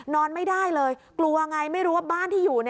นอนไม่ได้เลยกลัวไงไม่รู้ว่าบ้านที่อยู่